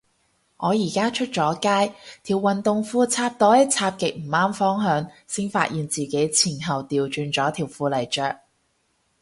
我而家出咗街，條運動褲插袋插極唔啱方向，先發現自己前後掉轉咗條褲嚟着